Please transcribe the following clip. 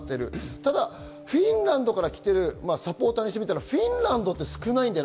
ただフィンランドから来ているサポーターからしてみれば、フィンランドは少ないんだよね。